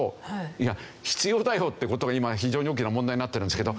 いや必要だよっていう事を今非常に大きな問題になってるんですけど。